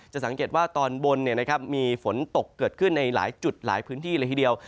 สังเกตว่าตอนบนมีฝนตกเกิดขึ้นในหลายจุดหลายพื้นที่เลยทีเดียว